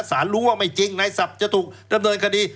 รู้ว่าไม่จริงนายศัพท์จะถูกดำเนินคดี